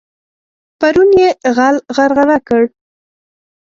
پرون يې غل غرغړه کړ.